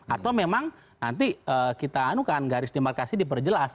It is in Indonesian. atau memang nanti kita anukan garis demarkasi diperjelas